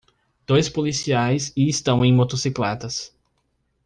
Dois policiais e estão em motocicletas.